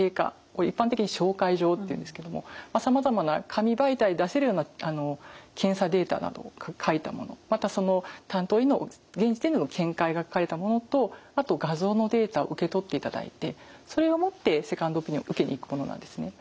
一般的に紹介状っていうんですけどもさまざまな紙媒体で出せるような検査データなどを書いたものまたその担当医の現時点での見解が書かれたものとあと画像のデータを受け取っていただいてそれを持ってセカンドオピニオン受けに行くものなんですね。